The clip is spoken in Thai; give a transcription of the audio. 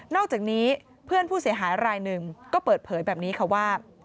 อกจากนี้เพื่อนผู้เสียหายรายหนึ่งก็เปิดเผยแบบนี้ค่ะว่า